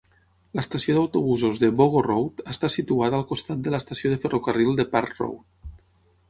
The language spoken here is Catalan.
L'estació d'autobusos de Boggo Road està situada al costat de l'estació de ferrocarril de Park Road.